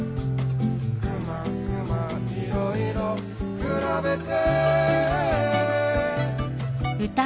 「くまくまいろいろくらべて」